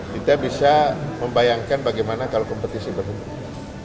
kita bisa membayangkan bagaimana kalau kompetisi berhenti